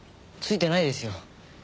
ついてないですよ！